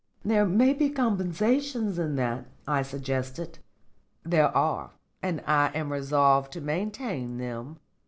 "There may be compensations in that," I suggested. "There are, and I am resolved to maintain them.